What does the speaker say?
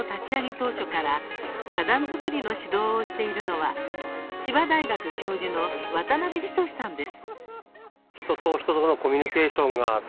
当初から花壇作りの指導をしているのは千葉大学教授の渡辺均さんです。